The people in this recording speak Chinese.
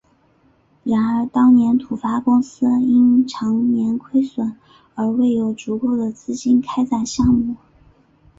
然而当年土发公司因长年亏损而未有足够资金展开项目。